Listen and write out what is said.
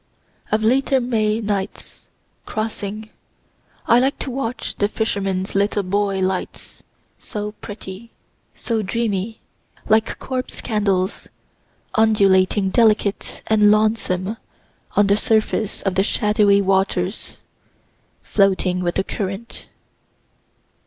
Of later May nights, crossing, I like to watch the fishermen's little buoy lights so pretty, so dreamy like corpse candles undulating delicate and lonesome on the surface of the shadowy waters, floating with the current.